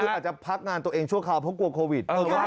คืออาจจะพักงานตัวเองชั่วคราวเพราะกลัวโควิด